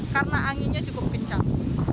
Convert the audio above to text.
karena anginnya cukup kencang